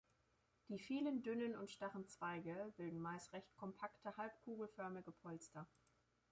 Die vielen dünnen und starren Zweige bilden meist recht kompakte halbkugelförmige Polster.